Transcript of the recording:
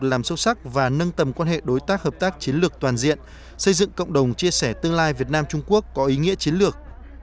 làm sâu sắc và nâng tầm quan hệ đối tác hợp tác chiến lược toàn diện xây dựng cộng đồng chia sẻ tương lai việt nam trung quốc có ý nghĩa chiến lược